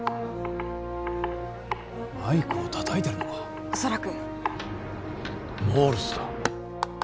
マイクを叩いてるのか恐らくモールスだ